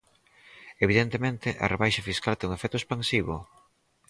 Evidentemente, a rebaixa fiscal ten un efecto expansivo.